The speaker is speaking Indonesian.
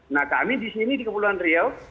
nah kami di sini di kepulauan riau